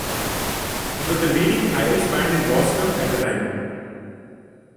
It was the leading Irish band in Boston at the time.